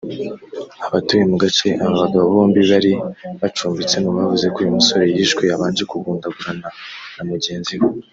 Abatuye mu gace aba bagabo bombi bari bacumbitsemo bavuze ko uyu musore yishwe yabanje kugundagurana na mugenzi we